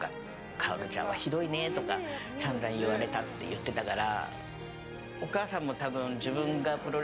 香ちゃんはひどいねって散々言われたって言ってたから。